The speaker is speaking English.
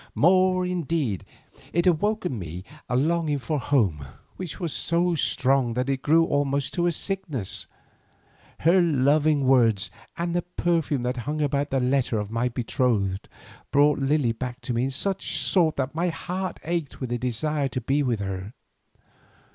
More indeed, it awoke in me a longing for home which was so strong that it grew almost to a sickness. Her loving words and the perfume that hung about the letter of my betrothed brought Lily back to me in such sort that my heart ached with a desire to be with her.